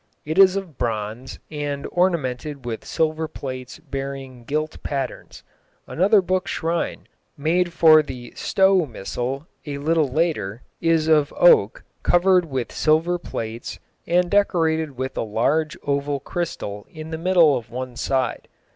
It is of bronze, and ornamented with silver plates bearing gilt patterns. Another book shrine, made for the Stowe Missal a little later, is of oak, covered with silver plates, and decorated with a large oval crystal in the middle of one side.